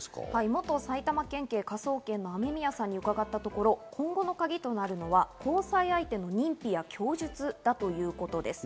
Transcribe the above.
元埼玉県警科捜研の雨宮さんに伺ったところ、今後のカギは交際相手の認否や供述だということです。